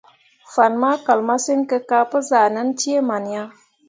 Fan ma kal masǝŋ kǝ ka pǝ zah ʼnan cee man ya.